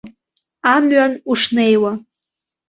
Амҩан ушнеиуа.